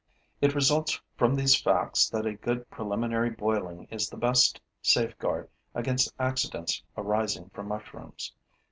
It results from these facts that a good preliminary boiling is the best safeguard against accidents arising from mushrooms.